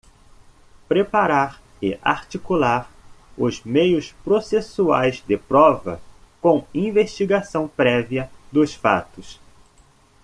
Preparar e articular os meios processuais de prova, com investigação prévia dos fatos.